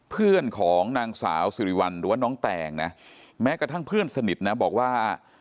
เพื่อนของนางสาวสิริวัลหรือว่าน้องแตงนะแม้กระทั่งเพื่อนสนิทนะบอกว่า